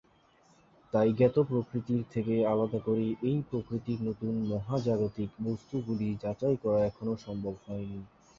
তাই জ্ঞাত প্রকৃতির থেকে আলাদা করে এই প্রকৃতির নতুন মহাজাগতিক বস্তুগুলি যাচাই করা এখনও সম্ভব হয়নি।